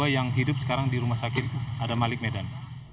dua yang hidup sekarang di rumah sakit itu ada malik medan